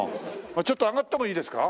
ちょっと上がってもいいですか？